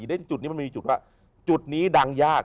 ได้จุดนี้มันมีจุดว่าจุดนี้ดังยาก